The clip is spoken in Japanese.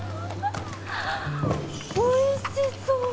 おいしそう！